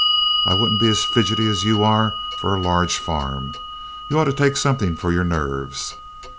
I wouldn't be as fidgety as you are for a large farm. You ought to take something for your nerves."